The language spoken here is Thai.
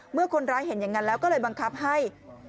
เมื่อคนร้ายเห็นอย่างนั้นแล้วก็เลยบังคับให้